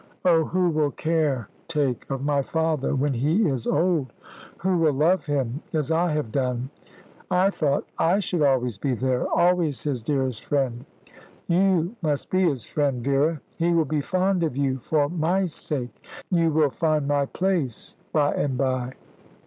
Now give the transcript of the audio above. Oh, who will care take of my father when he is old; who will love him as I have done? I thought I should always be there, always his dearest friend. You must be his friend, Vera. He will be fond of you for my sake. You will find my place by and by."